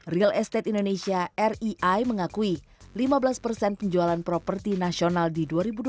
real estate indonesia rei mengakui lima belas persen penjualan properti nasional di dua ribu dua puluh tiga